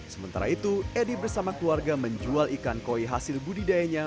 sementara itu edi bersama keluarga menjual ikan koi hasil budidayanya